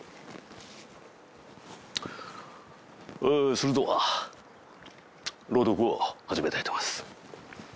それでは朗読を始めたいと思います